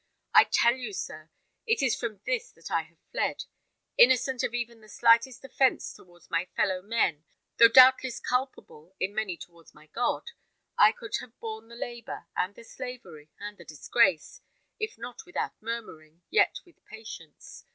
I tell you, sir, it is from this that I have fled. Innocent of even the slightest offence towards my fellow men, though doubtless culpable in much towards my God, I could have borne the labour, and the slavery, and the disgrace, if not without murmuring, yet with patience.